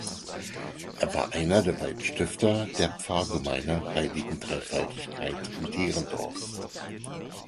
Er war einer der beiden Stifter der Pfarrgemeinde Heilige Dreifaltigkeit in Derendorf.